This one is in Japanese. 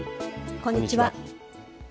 こんにちは。